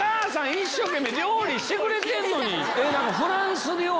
一生懸命料理してくれてんのに！